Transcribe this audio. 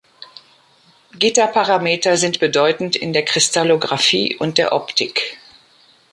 Gitterparameter sind bedeutend in der Kristallographie und der Optik.